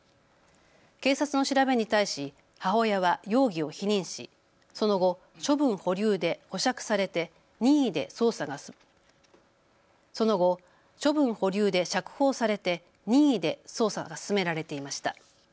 警察の調べに対し母親は容疑を否認しその後処分保留で釈放されて任意で捜査が進められていました。